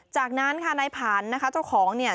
จากนั้นค่ะในผันนะคะเจ้าของเนี่ย